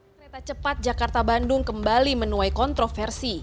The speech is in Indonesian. kereta cepat jakarta bandung kembali menuai kontroversi